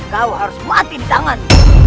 kau harus mati disangat